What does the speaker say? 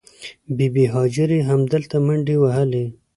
بې بي هاجرې همدلته منډې وهلې.